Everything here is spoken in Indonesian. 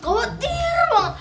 kau hati hati banget